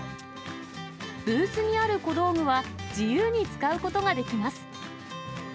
ブースにある小道具は、自由に使うことができます。